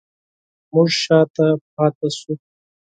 موږ شاته پاتې شوو